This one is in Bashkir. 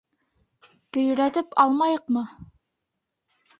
Көйрәтеп алмайыҡмы?